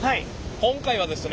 今回はですね